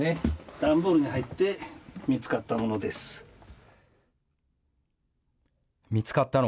段ボールに入って見つかったもの